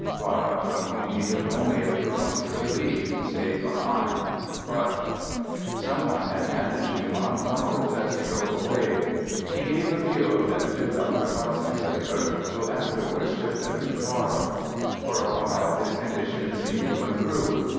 Clara, from whom he took only a perfunctory leave, stayed behind, crushed. Someone had handed Schumann flowers as he drove away. He gave a few of them to Dr. Hasenclever, who afterwards took them to Clara. For a while his condition seemed to improve.